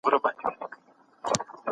شل عدد دئ.